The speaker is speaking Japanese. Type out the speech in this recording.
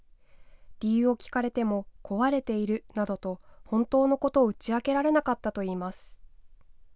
理由を聞かれても「壊れている」などと本当のことを打ち明けられなかったといいます。